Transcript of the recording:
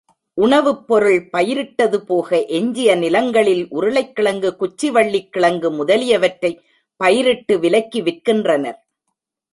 உணவுப் பொருள் பயிரிட்டது போக எஞ்சிய நிலங்களில் உருளைக்கிழங்கு, குச்சி வள்ளிக்கிழங்கு முதலியவற்றைப் பயிரிட்டு விலைக்கு விற்கின்றனர்.